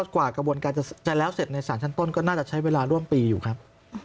กว่ากระบวนการจะแล้วเสร็จในสารชั้นต้นก็น่าจะใช้เวลาร่วมปีอยู่ครับ